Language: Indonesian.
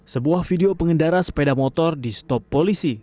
sebuah video pengendara sepeda motor di stop polisi